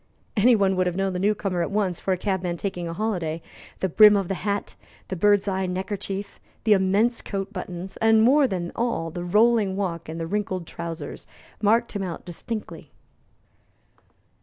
Any one would have known the new comer at once for a cabman taking a holiday. The brim of the hat, the bird's eye neckerchief, the immense coat buttons, and, more than all, the rolling walk and the wrinkled trousers, marked him out distinctly.